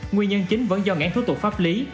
nguyên nhân chính vẫn do ngãn thủ tục pháp lý